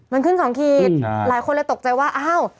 มันขึ้นสองขีดหลายคนเลยตกใจว่าอ้าว